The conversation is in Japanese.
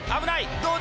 どうだ？